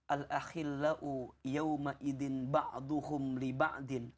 al akhila'u yawma idin ba'duhum li ba'din